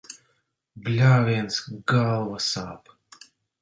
Bļāviens, galva sāp.